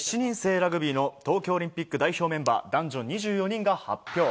ラグビーの東京オリンピック代表メンバー男女２４人が発表。